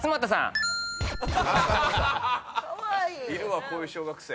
いるわこういう小学生。